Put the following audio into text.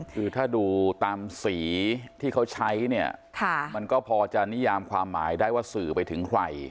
คือถ้าดูตามสีที่เขาใช้เนี่ยมันก็พอจะนิยามความหมายได้ว่าสื่อไปถึงใคร